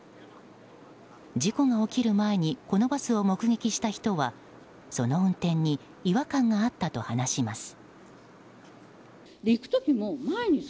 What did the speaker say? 事故が起きる前にこのバスを目撃した人はその運転に違和感があったと話します。